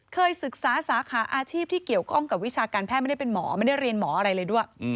เคยศึกษาสาขาอาชีพที่เกี่ยวข้องกับวิชาการแพทย์ไม่ได้เป็นหมอไม่ได้เรียนหมออะไรเลยด้วย